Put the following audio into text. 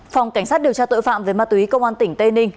phòng cảnh sát điều tra tội phạm về ma túy công an tỉnh tây ninh